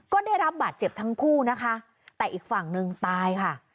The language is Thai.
ก็ได้รับบาดเจ็บทั้งคู่นะคะแต่อีกฝั่งหนึ่งตายค่ะ